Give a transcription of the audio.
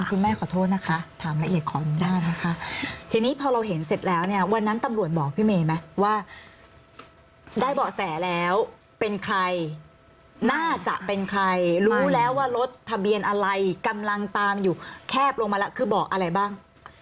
คุณแม่ขอโทษนะคะถามละเอียดขออนุญาตนะคะทีนี้พอเราเห็นเสร็จแล้วเนี่ยวันนั้นตำรวจบอกพี่เมย์ไหมว่าได้เบาะแสแล้วเป็นใครน่าจะเป็นใครรู้แล้วว่ารถทะเบียนอะไรกำลังตามอยู่แคบลงมาแล้วคือเบาะอะไรบ้าง